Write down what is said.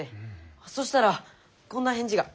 そしたらこんな返事が。